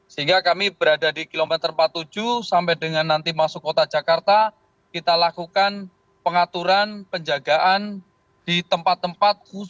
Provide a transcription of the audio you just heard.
sehingga kami berada di kilometer empat puluh tujuh sampai dengan nanti masuk kota jakarta kita lakukan pengaturan penjagaan di tempat tempat khusus